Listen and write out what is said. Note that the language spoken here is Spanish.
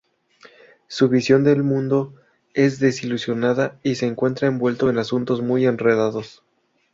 Su visión del mundo es desilusionada y se encuentra envuelto en asuntos muy enredados.